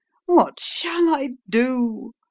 What shall I do ?